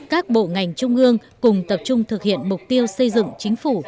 các bộ ngành trung ương cùng tập trung thực hiện mục tiêu xây dựng chính phủ